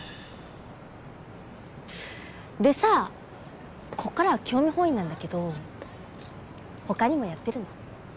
でさこっからは興味本位なんだけど他にもやってるの？